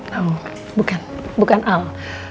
tau bukan bukan al